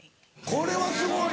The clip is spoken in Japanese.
これはすごい！